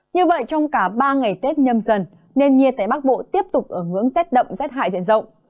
như vậy trong cả ba ngày tết nhâm dần nền nhiệt tại bắc bộ tiếp tục ở ngưỡng rét đậm rét hại diện rộng